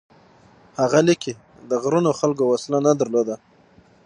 هغه لیکي: د غرونو خلکو وسله نه درلوده،